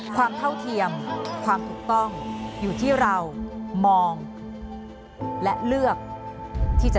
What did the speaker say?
เท่าเทียมความถูกต้องอยู่ที่เรามองและเลือกที่จะ